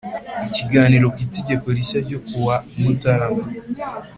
Ikiganiro ku itegeko rishya ryo ku wa mutarama